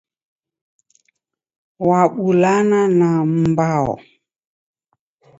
Wabulana na m'mbao.